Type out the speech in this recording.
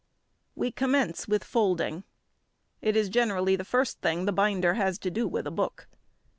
We commence with folding. It is generally the first thing the binder has to do with a book.